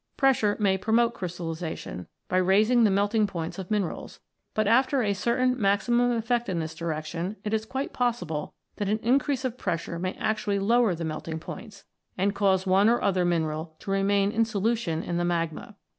Pressure may promote crystallisation, by raising the melting points of minerals ; but, after a certain maximum effect in this direction, it is quite possible that an increase of pressure may actually lower the melting points, and cause one or other mineral to remain in solution in the magma.